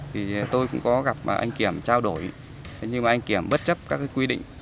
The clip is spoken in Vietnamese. thì tôi cũng có gặp anh kiểm trao đổi nhưng mà anh kiểm bất chấp các quy định